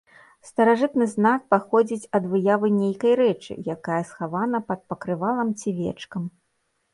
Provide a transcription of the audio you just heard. Старажытны знак паходзіць ад выявы нейкай рэчы, якая схавана пад пакрывалам ці вечкам.